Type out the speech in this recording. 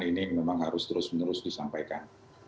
ini memang harus terus menerus disampaikan